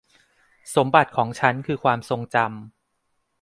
สมบัติของฉันคือความทรงจำ